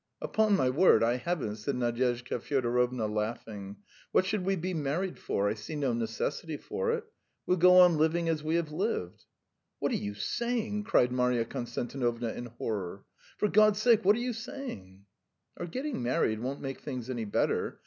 "Upon my word, I haven't," said Nadyezhda Fyodorovna, laughing. "What should we be married for? I see no necessity for it. We'll go on living as we have lived." "What are you saying!" cried Marya Konstantinovna in horror. "For God's sake, what are you saying!" "Our getting married won't make things any better.